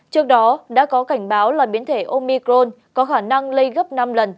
trước đó đã có cảnh báo là biến thể omicron có khả năng lây gấp năm lần